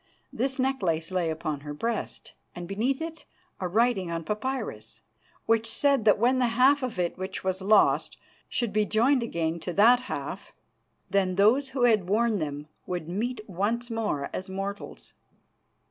This necklace lay upon her breast, and beneath it a writing on papyrus, which said that when the half of it which was lost should be joined again to that half, then those who had worn them would meet once more as mortals.